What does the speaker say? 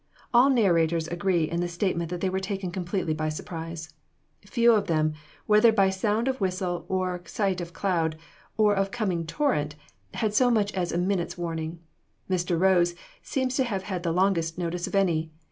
All narrators agree in the statement that they were taken completely by surprise. Few of them, whether by sound of whistle, or sight of cloud, or of coming torrent, had so much as a minute's warning. Mr. Rose seems to have had the longest notice of any.